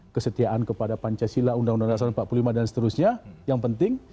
kesetiaan kepada pancasila undang undang dasar empat puluh lima dan seterusnya yang penting